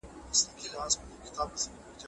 پلان جوړول د ژوند د موخو د ترلاسه کولو لپاره دی.